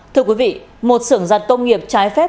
thưa quý vị một xưởng giặt công nghiệp trái phép